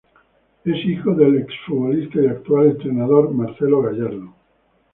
Es hijo del exfutbolista y actual entrenador Marcelo Gallardo.